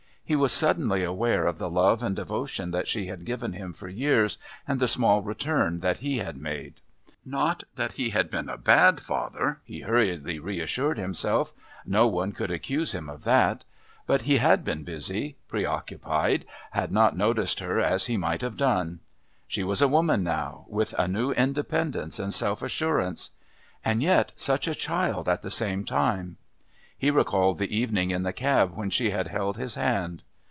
He was suddenly aware of the love and devotion that she had given him for years and the small return that he had made. Not that he had been a bad father he hurriedly reassured himself; no one could accuse him of that. But he had been busy, preoccupied, had not noticed her as he might have done. She was a woman now, with a new independence and self assurance! And yet such a child at the same time! He recalled the evening in the cab when she had held his hand.